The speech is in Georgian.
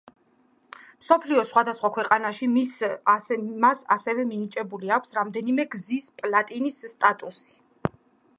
მსოფლიოს სხვადასხვა ქვეყანაში მას ასევე მინიჭებული აქვს რამდენიმე გზის პლატინის სტატუსი.